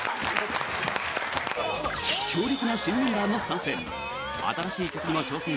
強力な新メンバーも参戦。